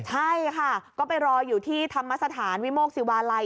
ใช่ค่ะก็ไปรออยู่ที่ธรรมสถานวิโมกศิวาลัย